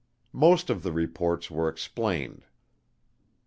Most of the reports were explained.